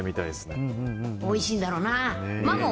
おいしいんだろうな。